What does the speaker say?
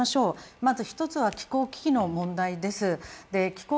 まず１つは気候危機の問題です。